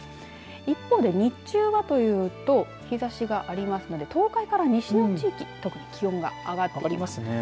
一方で日中はというと日ざしがありますので東海から西の地域特に気温が上がります。